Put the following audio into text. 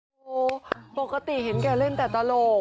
โอ้โหปกติเห็นแกเล่นแต่ตลก